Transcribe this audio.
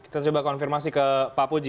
kita coba konfirmasi ke pak puji